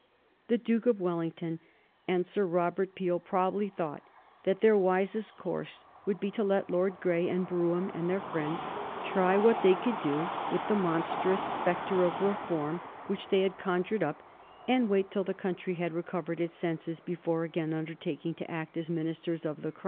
The Duke of Wellington and Sir Robert Peel probably thought that their wisest course would be to let Lord Grey and Brougham and their friends try what they could do with the monstrous spectre of reform which they had conjured up, and wait till the country had recovered its senses before again undertaking to act as ministers of the Crown.